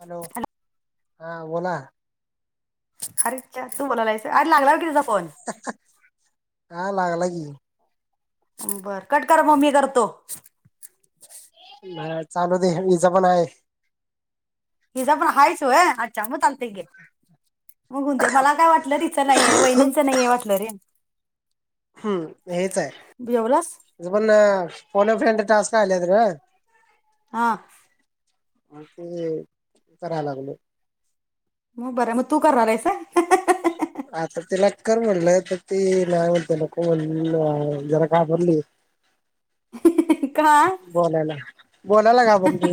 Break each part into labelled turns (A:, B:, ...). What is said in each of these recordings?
A: Hello हा बोला
B: अरे तू बलायच आर लागला की तिचा फोन
A: हा लागला की
B: बर कट कर मम् मी करतो
A: ह चालू दे हीचा पण आहे
B: हिचा पण हायचं होय अच्छा मग चालतय घे मग होऊन दे मला काय वाटलं तिचं नाही आहे रे वहिणींचं नाहीये वाटलं रे
A: हम्म हेच हाय,
B: जेवलास
A: हिज पण फोन अ फ्रेंड टास्क आल्यात गं.
B: हा.
A: आणि ते, कराय लागलोय.
B: म बरं हाय म तू करणार हायस होय.
A: [inaudible] आता तिला कर म्हणलं तर ती नाही म्हणतया नको म्हण जरा घाबरली. [inaudible]
B: का.
A: बोलायला. बोलाय ला घाबरली,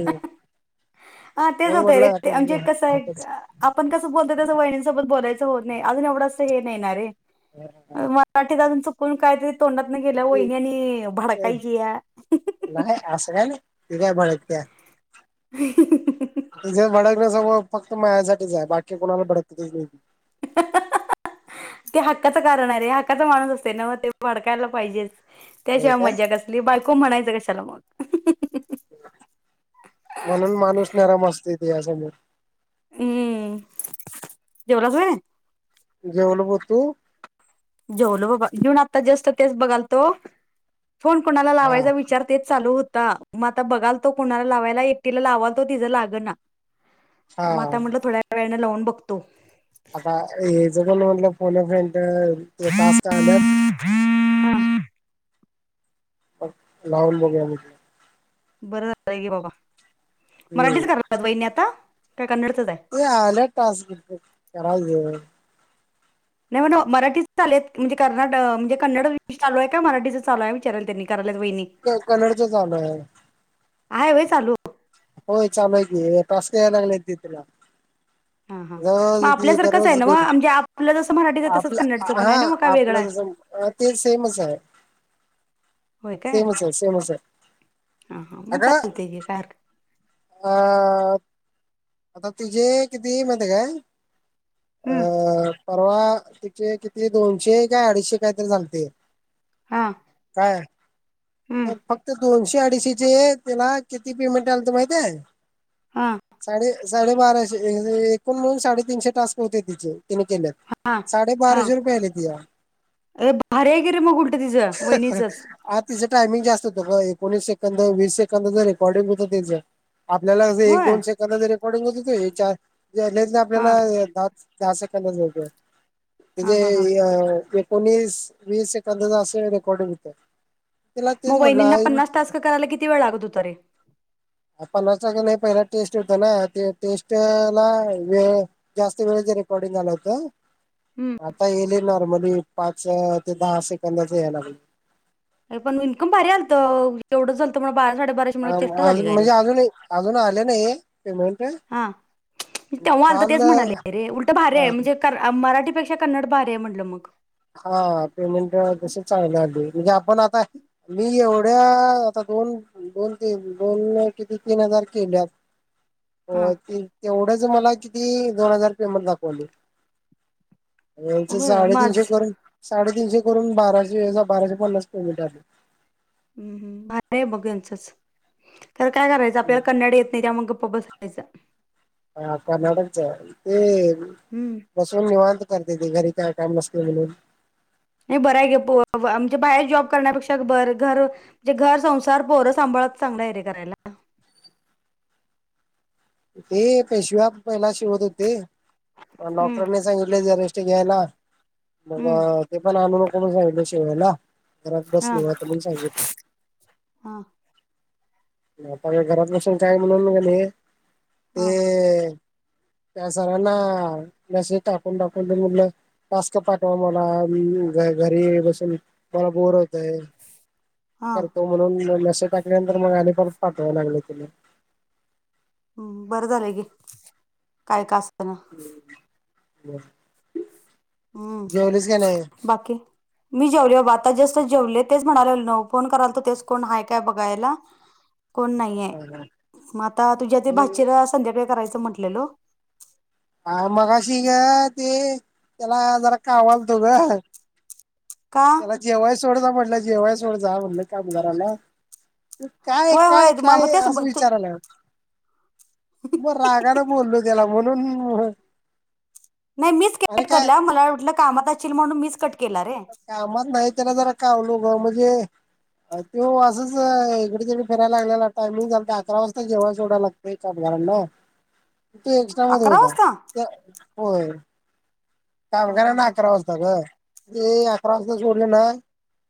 B: हा तेच
A: मी
B: होतंय रे
A: म्हणलं
B: ते म्हणजे कसं
A: [unintelligible]
B: आहे आपण कसं बोलतोय तसं वहिणींसोबत बोलायचं होत नाही अजून एवढं असं हे नाहीणारे.
A: [unintelligible]
B: मराठीत अजून चुकून कायतरी तोंडात गेल्या वहिनी आणि भडकाई ची या.
A: नाही असं काय नाही, ती काय भडक त्या.
B: [inaudible]
A: तीझ भडकण्या स्वभाव फक्त माझ्यासाठीच आहे बाकी कोणाला भडकतेच नाही ती.
B: ते हक्काचं कारण आहेे हक्काचा माणूस असत नव ते भडकायला पाहिजेच.
A: होय
B: त्याशिवाय
A: काय
B: मज्जा कसली बायको म्हणायचं कशाला मग.
A: म्हणून माणूस नराम असतय तीज्या समोर.
B: हम्म, जेवलास होय.
A: जेवलब तू.
B: जेवलो बाबा जेऊन आता जस्ट तेच बघाल तो. फोन कुणाला
A: हा
B: लावायचा विचार तेच चालू होता. म आता बघाल तो कुणाला लावायला एकटीला लावाल तो तिझं लाग ना,
A: हा
B: म आता म्हटलं थोड्या वेळानं लावून बघतो.
A: आता हेज पण म्हनलं फोन अ फ्रेंड ते टास्क आल्यात.
B: [inaudible]
A: [unintelligible] लावून बघूया म्हटलं.
B: बरं झालंय घे बाबा,
A: हम्म
B: मराठीच करायल्यात वहिनी आता, काय कन्नडचच हाय.
A: ते आल्यात टास्क, करायचं.
B: नाही म मराठीच आलेत म्हणजे कर्नाट म्हणजे कन्नड मध्ये चालू आहे काय मराठीच चालू आहेय विचाराल त्यांनी. करायल्यात वहिनी,
A: कलरच चालू आहे
B: हाय वय चालू.
A: होय चालू हाय की टास्क यायलागल्यात की तीला.
B: हां हां
A: [unintelligible]
B: मग आपल्यासारखंच आहे
A: दररोज
B: ना
A: दे,
B: मग म्हणजे आपलं जसं मराठीचं तसंच
A: आपलं
B: कन्नडचं पण
A: हा
B: आहे ना मग काय वेगळं
A: आपलं
B: आहे
A: कस अ ते सेमच हाय.
B: होय काय
A: सेमचय सेमचय, अगं.
B: पार
A: आ. आता तिझे किती म्हणते काय,
B: हं,
A: अ परवा तिचे किती दोनशे काय अडीचशे कायतरी झालते.
B: हा.
A: हा, फक्त दोनशे अडीशीचे त्याला किती पेमेंट आलत माहित हाय.
B: हां.
A: साडे साडेबाराशे एकूण म्हणून साडेतीनशे टास्क होते तिचे तिने केल्यात.
B: हा, हा, ये भारी हाय की रे मग उलट तिचं वहिनीचंच.
A: आ तिचं टायमिंगस्त का एकोणीस सेकंद वीस सेकंद जर रेकॉर्डिंग होतं तिज. आपल्याला कस एक
B: होय
A: दोन सेकदाच रेकॉर्डिंग होत ते चार, [unintelligible] आपल्याला
B: हां हां हां हां
A: [unintelligible] एकोणीस वीस सेकंदाचा अस रेकॉर्डिंग होतं. तिला तेच
B: म वीहिनींना
A: म्हटलं
B: पन्नास टास्क करायला किती वेळ लागत होता रे.
A: पन्ना ट हे पहिला टेस्ट होत ना ते टेस्ट ला वेळ जास्त वेळेच रेकॉर्डिंग आलं होतं
B: हं,
A: आता येले नॉर्मली पाच ते दहा सेकंदाच यायलागजे
B: पण इन्कम भारी आलतं एवढं झालतं म बारा साडे बारा
A: ह अजून म्हणजे अजून अजून आले नाही पेमेंट
B: हां तेव्हा आललं
A: काल
B: तेच म्हणाले रे उलट भार आहे म्हणजे मराठीपेक्षा कन्नड भार आहे म्हटलं मग
A: हा पेमेंट तस चालण्या आध म्हणजे आपण आता मी एवढ्या आता दोन बोलते बोलल किती तीन हजार केल्यात [inaudible]
B: हां
A: हो ते तेवढंच मला किती दोन हजार पेमंट दाखवली
B: होय माझं
A: साडेतीीनशे करून साडेतीीनशे करून बाराशे बाराशे पन्नास पेमेंट आली
B: हम् भ आहे मग यांचंच तर काय करायचं आपल्याला कन्नड येत नाही त्या मग गप् ब त्याच
A: हा कर्नाटकच्या ते
B: हम्म
A: बसून निवांत करते तेी घरी काय काम नसते म्हणून
B: नाही बरं आहे गे आमे बाहेर जॉब करण्यापेक्षा बरं घर म्हणजे घर संसार पोरं सांभाळत चांगलाय रे करायला
A: ते पेशव्या पहिला शिवत होते
B: हम्म
A: डॉक्टरांनी सांगितले जराे घ्यायला मग
B: हम्म
A: ते पण आणूनक जाई शिवायला बराब
B: हा
A: बसलवता पण सांगित
B: हा
A: घरात बसून काय म्हणून नाही
B: हा
A: ते त्या सरांना मसेज टाकून टाकून ते मुलं पास्क पाठवा मला घ घरी बसून मला बोर होतय
B: हा
A: करतो म्हणून मसे टाकल्यानंतर मग आ परत पाठवावं लागलं तिला
B: हम् बरं झालंय गे काय का असताना
A: बर
B: हम्म बाकी मी जेवलेबा आता जस्त जेवले तेच म्हणाले न फोन कराल तो तेच कोण आहेय काय बघायला
A: [inaudible]
B: कोण नाहीये मग आता तुझ्या ते भाचीरा संध्याकाळी करायचं म्हटलेल
A: हा मगशी ग ते त्याला जरा कावालतो ग
B: का
A: जेव्हाय सोड जा म्हटलं जेव्हाय सोड जा म्हटलं कामगाराला काय
B: होय
A: काय
B: होय मग
A: काय
B: तेच
A: असं
B: ब- तू-
A: विचारायलात मग रागनें बोललो गेला म्हणून
B: नाही मीच
A: आणि
B: कट
A: काय
B: करल्या मला वाटलं कामात असल म्हणून मीच कट केला रे
A: कामात नाही तरला जरा कावलो ग म्हणजे अ ते असंच इकडे तडे फिरायला आलेला टायमिंग झाल अकरा वाजता जेव्हा जेडायला लागो एकजारांना ते एक्स्ट्रा म
B: अकरा
A: होता
B: वाजता
A: ते होय
B: हा हा
A: कामगांना
B: हा
A: अकरा
B: हा
A: वाजता ग ते अकरा वाजता जोडले ना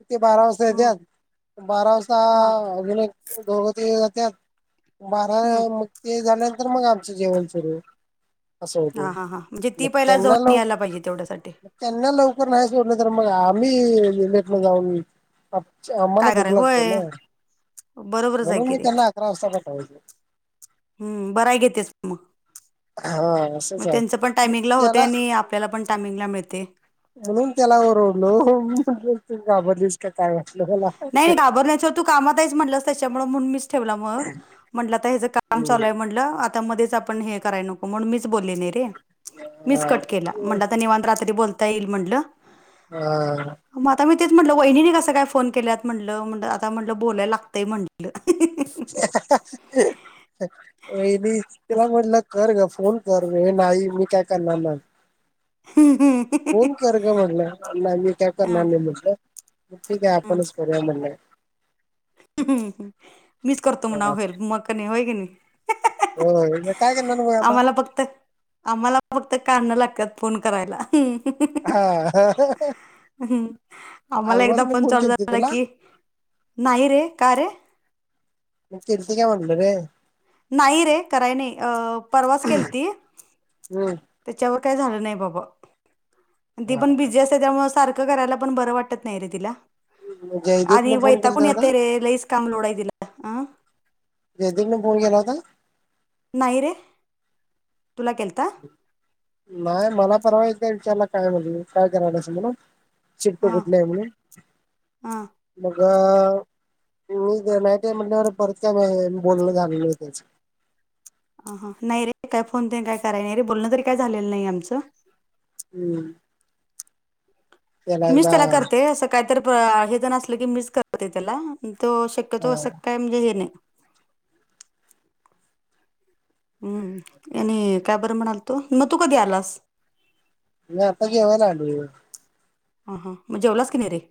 A: ते बारा वाजता
B: हम्म,
A: त्यात बारा वाजता
B: हा
A: अजून एक दोगती त्यात बारा
B: हम्म,
A: मुक् ते झाल्यानंतर मग आमचं जेवण सुरू असं
B: हा
A: होतं
B: हा हां म्हणजे ती
A: मग
B: पहिला
A: त्यांना
B: जाऊन
A: लव
B: यायला पाहिजे तेवढ्यासाठी
A: त्यांना लवकर नाही सोडलं तर मग आम्ही जलेटला जाऊन आम्हाला
B: काय
A: भुक
B: कराय
A: लागते ना
B: होय बरोबरच आहे
A: म्हणून मी त्यांना अकरा वाजता पाठवायचो
B: हम् बरा घेते मग
A: हा
B: म
A: असंच आहे
B: त्यांच पण
A: मग
B: टायमिंगला होते
A: त्याला
B: आणि आपल्याला पण टायमिंगला मिळते
A: म्हणून त्यालावरर डलो म्हण तू गाबरलीस का काय वाटलं मला
B: नाही नाही घाबर नाहीच तू कामात आहेच म्हटलंस त्याच्यामुळे म्हणून मीच ठेवला मग म्हटलं तर हच काम चालूय म्हटलं आता मध्येच आपण हे कराय नको म्हणून मीच बोलले नाही रे मीच कट केला म्हंता निव रात्री बोलता येईल म्हंटलं
A: हम
B: ग आता मी तेच म्हटलं वहिणीनी कस काय फोन केत म्हटलं म्ह आता म्हटलं बोलायलागंय म्हट हल
A: वहिनी तिला
B: असं
A: म्हटलं कर ग फोन कर हे नाही मी काय करणार ना
B: ह् ह्
A: फोन कर ग म्हणलं मी काय करणार
B: हा,
A: नाही म्हटलं तेठी काय
B: हम्म.
A: आपणच करूया म्हण
B: मीच करतो मनाव होय का नाही
A: होय मग काय करणार मग आता
B: आम्हाला फक्त आम्हाला फक्त काढणं लागतात फोन करायला ह्
A: हा
B: हम् आम्हाला एकदा
A: आलमासने
B: पण
A: फोन
B: चाल
A: केलती
B: झाला
A: तुला
B: की नाही रे काय रे
A: म िती का म्हणलं रे
B: नाही रे कराय नाही अ परवाच केली ती
A: हम्म
B: त्याच्यावर काय झालं नाही बाबा आणि ती
A: हा
B: पण बिझी त्याच्यामुळे सारखं करायला पण बरं वाटत नाही रे तिला आणि
A: जयदीपने फोन केलता
B: वैतागून
A: होता
B: येते लईच काम लोड आहे तिला
A: जय दिर न फोन गेला होता
B: नाही रे तुला केलत
A: नाही मला परवायचं आहे विचारला काय म्हणे काय करायला असं म्हणून शिकतो
B: हां
A: कुठला आहे म्हणून
B: हां
A: मग मी नाहीट आहे म्हटल्यावर परत काय नाही बोलण झाले नाही त्याच
B: ह हा नाही रे काय फोन ते काय कराय नाही रे बोलण तरी काय झालेलं नाही आमचं
A: हम्म
B: मिस त्याला करते असं काहीत हे जण असलं की मीस करते त्याला तो शक्य तो असं
A: एकदा
B: काय म्हणजे हे नाही हम्म आणि काय बरं म्हणाल तो मग तू कधी आलास
A: मी आता जेवायला आलोय
B: हां हां मग जेवलाच कि नाही रे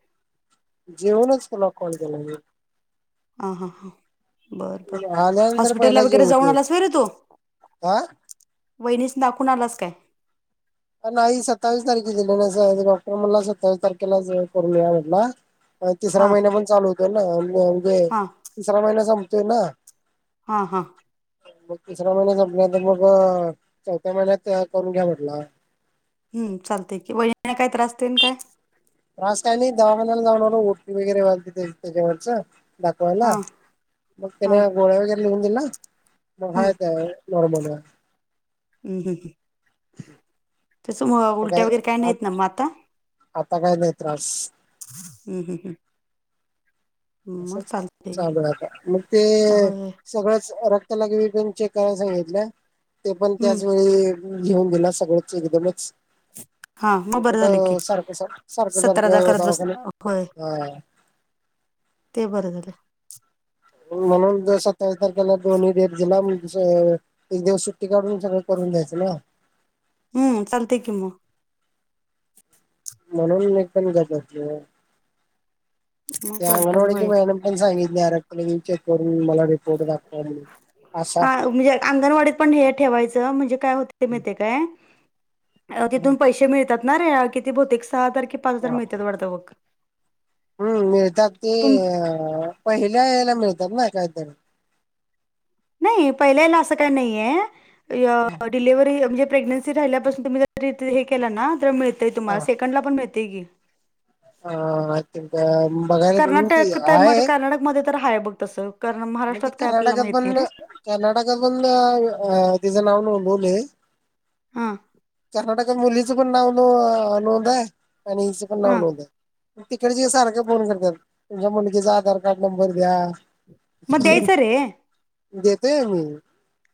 A: जेवनच तुला कॉल केला
B: ह ह ह बर बर
A: आल्यानंतर
B: हॉस्पिटलला
A: पहिला
B: वगैरे जाऊन
A: जेवतोय
B: आला सवीरे तो
A: हा
B: वहिणीस दाखून आलाच काय
A: नाही सत्तावीस तारखे दिले ना डॉक्टर मला सत्तावीस तारखेला करून या म्हटला तिसरा
B: हां
A: महिना पण चालू होतोय ना म्हणजे
B: हां
A: तिसरा महिना संपतोय ना
B: हा हा
A: मग तिसरा महिन्यात आपल्या तर मग चौथ्या महिन्यात करून घ्या म्हटलं
B: हम् चालतेय की वहिने काय त्रासतेन काय
A: राास काने दवाखान्याला जाऊणार ओटी वगैरे वाजते त्याच्यावरचं दाखवायला
B: हां
A: मग
B: हां
A: त्याने गोळ्या वगैरे लिहून दिला मग हायेत नॉर्मल आहे
B: ह ह त्याच
A: आता
B: उलट्या
A: काय
B: वगैरे काही नाहीत ना मग आता
A: आता काय नाही त्रास
B: हम् हम् हम्
A: असं
B: चालतंय की
A: चागलंता मग ते
B: होय
A: सगळंच रक्त लागवी पण चेक करायला सांगितलं ते पण
B: हं
A: त्याचवेेळी घेऊन गेला सगळंच एकदमच
B: हा मग बरं
A: इकडं
B: झालं की
A: सारखं सारखं
B: सतरादा
A: सारखं
B: करत बस
A: दवाखान
B: होय
A: ह
B: ते बरं झालं.
A: म्हणून सत्तावीस तारखेला दोन्ही डेट दिला [unintelligible] एक दिवस सुट्टी काढून सगळं करून द्यायचं ना.
B: हम्म चालते कि म.
A: म्हणून मी पण गप बसलोय,
B: मग
A: ते
B: बरं
A: अंगन
B: झालं
A: वाडची
B: होय
A: मॅडम पण सांगितल्या रक्ट चेक करून मला रिपोर्ट दाखवा म्हणून, असा
B: हा म्हणजे अंगणवाडी पण हे ठेवाय म्हणजे काय होते माहिती आहे काय, तथून पैसे मिळत णार रे किती बहुतेक सहा तारखे की पाच हजार मिळतात वाढत बग.
A: हम्म मिळतात ते अ पहिल्या याला मिळतात ना कायतरी.
B: नाही पहिल्याला असं काय नाहीे, य डिलव्ह म्हणजे प्रेग् राहिल्यापासून तुम्ही जर केला ना तर मिळतय
A: हा
B: तुम्हाला सेकंड ला पण मिळतेय की.
A: आ ती [unintelligible]
B: कर्नाटक
A: आहे
B: कर्नाटकमध्ये तर हाय बघ तसं कार महाराष्ट्रात काय आपल्याला माहत नाही रे.
A: कर्नाटका पण तिचं नाव नोंदवलय.
B: हा.
A: कर्नाटकात मुलीचं पण नाव नोंद आहे आणि हचं पण नाव
B: हा
A: नोंद आहे. तिकडची सारखं फोन करतात तुमच्या मुलगीचा आधार कार्ड नंबर द्या.
B: मग द्यायचं रे
A: देतय आम्ही.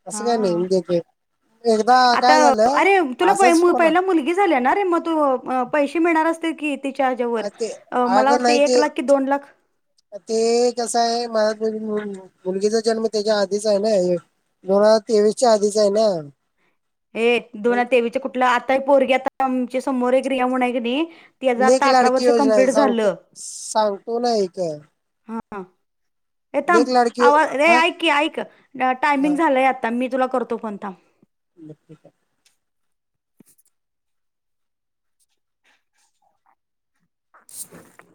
A: असं काय
B: हा
A: नाहीे [unintelligible] एकदा
B: आता
A: काय झालं
B: अरे तुला
A: असाच
B: प
A: फोन
B: पहिला मुलगी झाल्या ना रे मग तू पैसे मिळणार असते की तिच्या ह्याच्यावर
A: ते
B: मला
A: अगं
B: वाटत
A: नाही
B: एक
A: ते
B: लाख की दोन लाख?
A: ते कसं आहे मला मुलगीचा जन्म त्याच्या आधीच आहे ना हे. दोन हजार तेवीसच्या आधीच आहे ना.
B: हे दोन हजार तेवीसच्या कुठलं आताही पोरगी आता आमच्या समोर एक र्रिया म्हण आहे की नाही त्याज
A: लेक
B: आत्ता अठरा
A: लाडकी
B: वर्ष
A: योजना आहे
B: कम्प्लीट
A: सांगतो
B: झालं.
A: सांगतो नाही का?
B: ये थाब
A: लाडकी
B: आवाज ए
A: हा
B: ऐक की ऐक
A: हा
B: टायमिंग झालंय आता मी तुला करतो फोन थांब.
A: बर ठीक आहे.
B: [inaudible]